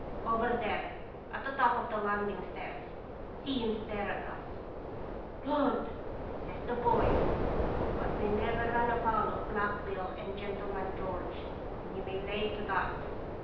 Over there, at the top of the landing stairs. See him stare at us !'" 'Lord!' says the boy. " But we never run afoul of Black Bill and Gentleman George, and you may lay to that.